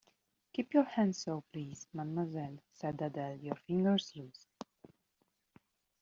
"Keep your hands so, please, mademoiselle," said Adele; "your fingers loose."